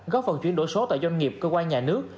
góp phần chuyển đổi số tại doanh nghiệp cơ quan nhà nước